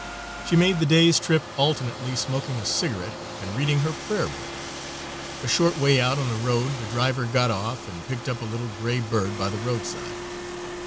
She made the day's trip alternately smoking a cigarette and reading her prayer book. A short way out on the road the driver got off and picked up a little gray bird by the roadside.